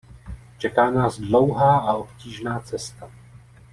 Čeká nás dlouhá a obtížná cesta.